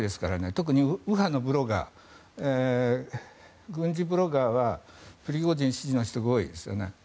特に右派のブロガー軍事ブロガーはプリゴジン支持の人が多いですよね。